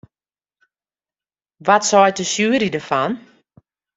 Wat seit de sjuery derfan?